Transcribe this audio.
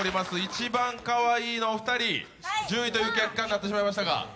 いちばんかわいいのお二人、１０位という結果になってしまいましたが。